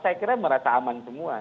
saya kira merasa aman semua